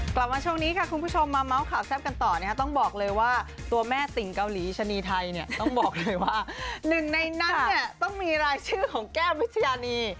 กลับมาช่วงนี้ค่ะคุณผู้ชมมาเมาส์ข่าวแซ่บกันต่อนะคะต้องบอกเลยว่าตัวแม่สิ่งเกาหลีชะนีไทยเนี่ยต้องบอกเลยว่าหนึ่งในนั้นเนี่ยต้องมีรายชื่อของแก้มวิชญานี